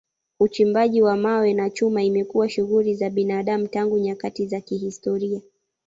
Uchimbaji wa mawe na chuma imekuwa shughuli za binadamu tangu nyakati za kihistoria.